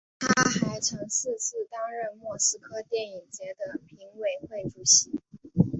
他还曾四次担任莫斯科电影节的评委会主席。